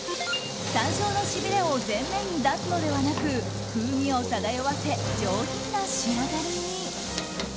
山椒のしびれを前面に出すのではなく風味を漂わせ上品な仕上がりに。